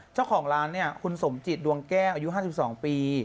เจ้าของร้านเนี่ยคุณสมจิตดวงแก้วอายุ๕๒ปี